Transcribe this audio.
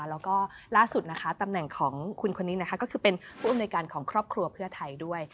แล้วก็ล่าสุดนะคะตำแหน่งของคุณคนนี้นะคะก็คือเป็นผู้อำนวยการของครอบครัวเพื่อไทยด้วย